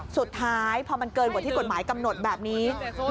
สุดท้ายพอมันเกินกว่าที่กฎหมายกำหนดแบบนี้